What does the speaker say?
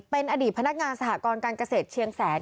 เป็นอดีตพนักงานสหกรการเกษตรเชียงแสน